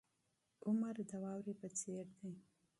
عمر د واورې په څیر دی.